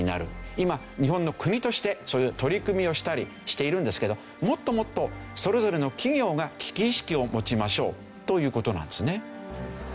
今日本の国としてそういう取り組みをしたりしているんですけどもっともっとそれぞれのという事なんですね。